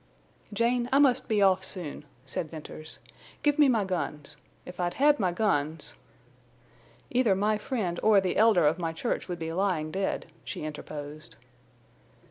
"Jane, I must be off soon," said Venters. "Give me my guns. If I'd had my guns—" "Either my friend or the Elder of my church would be lying dead," she interposed.